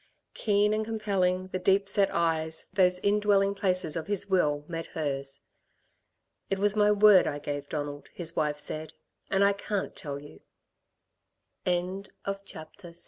Keen and compelling, the deep set eyes, those in dwelling places of his will, met hers. "It was my word I gave, Donald," his wife said, "and I can't tell you." CHAPTER VII In ten years,